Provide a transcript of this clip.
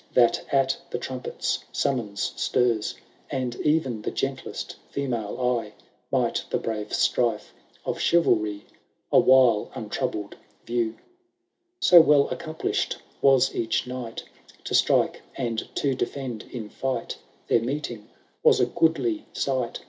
That at the trumpetis siunmons stirs !— And e'en the gentlest female eye Might the brave strife of chivalry A while untroubled view ; So well accompb'sh'd was each knight. To strike and to defend in fight. Their meeting was a goodly sight.